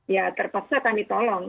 ya terpaksa kami tolong